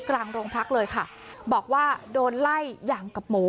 กลางโรงพักเลยค่ะบอกว่าโดนไล่อย่างกับหมู